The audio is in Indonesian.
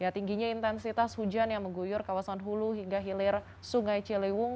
tingginya intensitas hujan yang mengguyur kawasan hulu hingga hilir sungai ciliwung